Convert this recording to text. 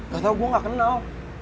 gak tau gue gak kenal